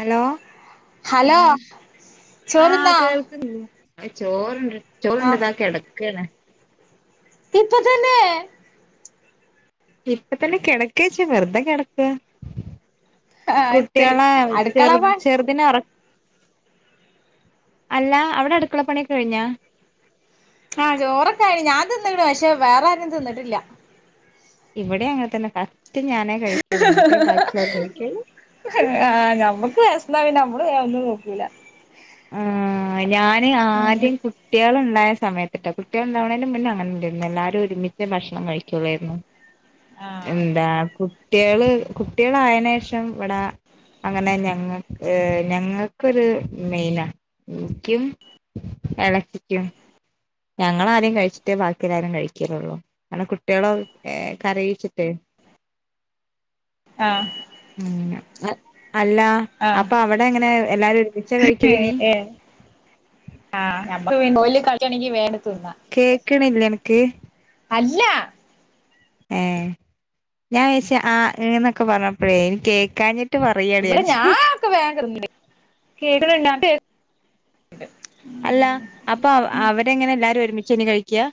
Hello.. hello ആ ചോറ്ന്നോ കേൾക്കനില്ലേ! ചോറുണ്ട് ചോറു ആഹ് നിട്ട കിടക്കാണ്. ഇപ്പ തന്നെ ഇപ്പ തന്നെ കിടക്കാച്ചാ വെറുതെ കിടക്ക. ആഹ് ശരി കുട്ടിളെ അടുക്കള ചെറു പ ചെറു. അറ അല്ല അവിടെ അടുക്കള പണിയൊക്കെ കഴിഞ്ഞുയോ ആ ചോറൊക്കെ ആയിന് ഞാൻ തിന്നണ്‌ പക്ഷെ വേറെ ആരും തിന്നിട്ടില്ല ഇവിടെ അങ്ങനെ തന്നെ ഫസ്റ്റ് ഞാനേ കഴിക്കുള്ളൂ എന്നിട്ട് ബാക്കി ഉള്ളോർ കഴിക്കൊള്ളൂ. ആ ഞമ്മക്ക് വിശന്നാ പിന്നെ ഞമ്മൾ വേഗം ഒന്നും നോക്കൂല ആ ഞാൻ ആദ്യം കു കുട്ടികൾ ഉണ്ടായ സമയത്തട്ടാ കുട്ടികൾ ഉണ്ടാവണുന്നതിന് മുന്നേ അങ്ങനെ ഉണ്ടായിരുന്നു എല്ലാവരും ഒരുമിച്ച് ഭക്ഷണം കഴിക്കുള്ളായിരുന്നു. [inaudible] ആഹ് എന്താ കുട്ടിൾ കുട്ടികളായന് ശേഷം ഇവട അങ്ങനെ ഞങ്ങക്ക് ഞങ്ങക്കൊരു മെയിനാ എനിക്കും ഇളച്ചി ക്കും. ഞങ്ങളാദ്യം കഴിച്ചിട്ട് ബാക്കി എല്ലാവരും കഴിക്കതൊള്ളൂ അല്ല കുട്ടിളേഎ കരയിച്ചിട്ട് ആ അല്ല ആഹ് അപ്പൊ അവിടെ എ ങ്ങനെ എല്ലാരും ഒരുമിച്ച കഴിക്കൽ ഏഹ് നി ഏഹ് ആഹ്, നമ്മക്ക് പിൻ ഓല് കൾച്ചാണെങ്കി വേണ്ട് തിന്ന കേൾക്കണില്ലേ അ നക്ക്? അല്ല ഏ ഞാൻ വിചാരിച്ച് ആ എനൊക്കെ പറഞ്ഞപ്പോഴേ ഇനി കേൾക്കാഞ്ഞിട്ട് ഇവിടെ ഞാനൊക്കെ വേഗം കിടക്കണി [inaudible] [unintelligible] അല്ല അപ്പൊ അവരെങ്ങനെ എല്ലാരും ഒരുമിചെല്ലേ കഴിക്ക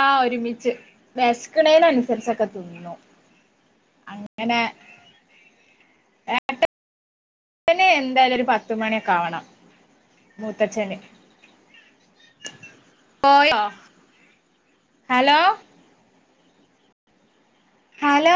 ആ ഒരുമിച്ച് വേഷകനിനുഅനുസരിച്ച് ഒക്കെ തിന്നു അങ്ങനെ- പിന്നേ എന്തായാലും ഒരു പത്തുമണിയൊക്കെ ആവണം മൂത്തച്ഛന് പോയോ? Hello hello